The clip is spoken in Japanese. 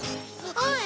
おい！